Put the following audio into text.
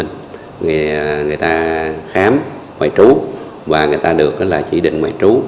chúng ta khám ngoại trú và người ta được chỉ định ngoại trú